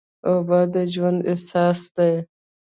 اوبه د ژوند اساس دي.